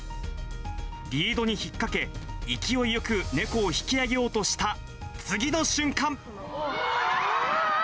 リードに引っ掛け、勢いよく猫を引き上げようとした次の瞬間。